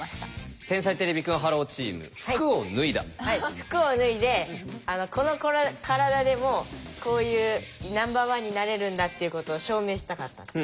服を脱いでこの体でもこういうナンバーワンになれるんだっていうことを証明したかった。